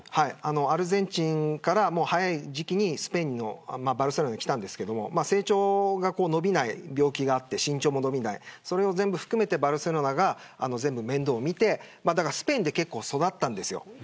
アルゼンチンから早い時期にスペインのバルセロナに来たんですけど身長が伸びない病気があってそれを含めてバルセロナが全部、面倒見てスペインで結構育ったんです。